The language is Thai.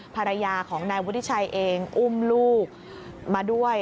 ภรรยาของนายวุฒิชัยเองอุ้มลูกมาด้วย